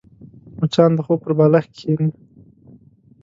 مچان د خوب پر بالښت کښېني